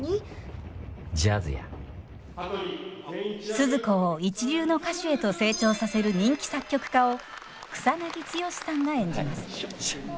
スズ子を一流の歌手へと成長させる人気作曲家を草剛さんが演じます。